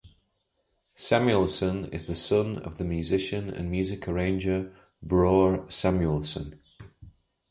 Samuelson is the son of the musician and music arranger Bror Samuelson.